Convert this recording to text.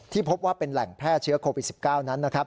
ที่พบว่าเป็นแหล่งแพร่เชื้อโควิด๑๙นั้น